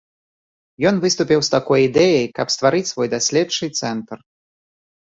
Ён выступіў з такой ідэяй, каб стварыць свой даследчы цэнтр.